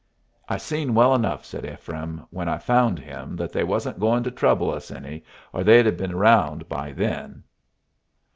"I seen well enough," said Ephraim, "when I found him that they wasn't going to trouble us any, or they'd have been around by then."